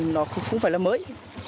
nó cũng phải là mới